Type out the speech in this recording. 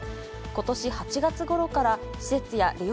ことし８月ごろから、施設や利用